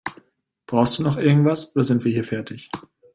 Brauchst du noch irgendetwas oder sind wir hier fertig?